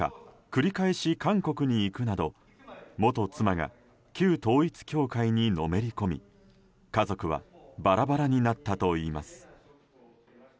繰り返し韓国に行くなど元妻が旧統一教会にのめり込み家族はバラバラになったといいます。